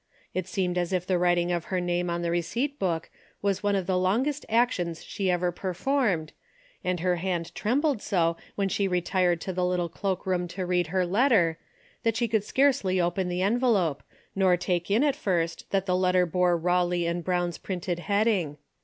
It seemed as if the writing of her name on the receipt book was one of the longest actions she ever performed, and her hand trembled so DAILY RATE.'^ 77 when she retired to the little cloak room to read her letter that she could scarcely open the envelope, nor take in at first that the let ter bore Eawley and Brown's printed heading.